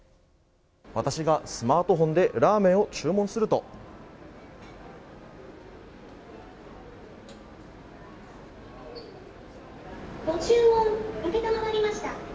私がスマートフォンでラーメンを注文するとご注文承りました。